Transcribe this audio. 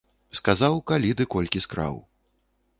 Сказаў, калі ды колькі скраў.